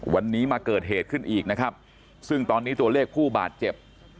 วันนี้มาเกิดเหตุขึ้นอีกนะครับซึ่งตอนนี้ตัวเลขผู้บาดเจ็บ